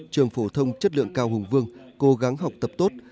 trường phổ thông chất lượng cao hùng vương cố gắng học tập tốt